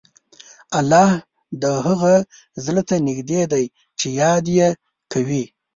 الله د هغه زړه ته نږدې دی چې یاد یې کوي.